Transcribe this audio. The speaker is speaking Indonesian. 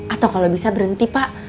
atau kalau bisa berhenti pak